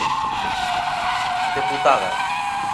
Deputada.